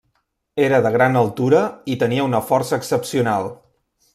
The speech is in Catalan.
Era de gran altura i tenia una força excepcional.